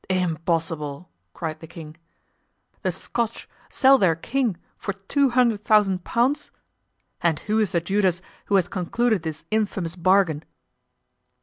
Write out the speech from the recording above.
"Impossible!" cried the king, "the Scotch sell their king for two hundred thousand pounds! And who is the Judas who has concluded this infamous bargain?"